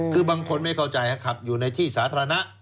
คือบางคนไม่เข้าใจขับอยู่ในที่สาธารณะ